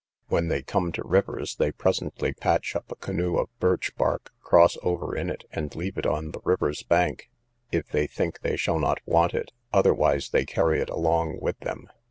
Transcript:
When they come to rivers, they presently patch up a canoe of birch bark, cross over in it, and leave it on the river's bank, if they think they shall not want it; otherwise they carry it along with them.